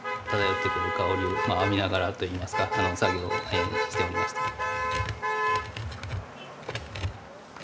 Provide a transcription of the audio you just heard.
漂ってくる香りを浴びながらといいますか作業をしておりました。